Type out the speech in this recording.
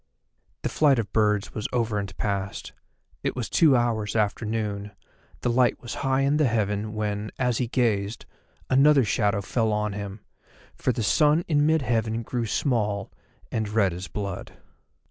The flight of birds was over and past; it was two hours after noon, the light was high in the heaven, when, as he gazed, another shadow fell on him, for the sun in mid heaven grew small, and red as blood.